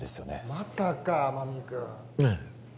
またか天海君ええ